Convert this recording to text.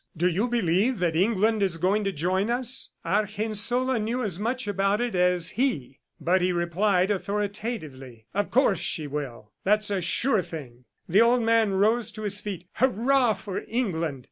"Do you believe that England is going to join us?" ... Argensola knew as much about it as he, but he replied authoritatively, "Of course she will. That's a sure thing!" The old man rose to his feet: "Hurrah for England!"